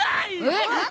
えっ？